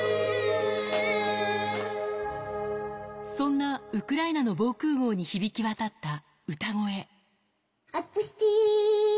そんなウクライナの防空壕に響き渡った歌声。